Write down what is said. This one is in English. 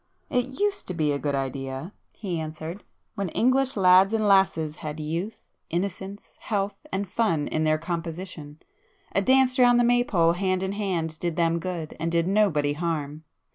"It used to be a good idea,"—he answered—"When English lads and lasses had youth, innocence, health and fun in their composition, a dance round the Maypole hand in hand, did them good and did nobody harm.